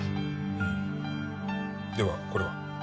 うんではこれは？